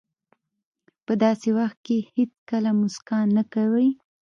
په داسې وخت کې چې هېڅکله موسکا نه کوئ.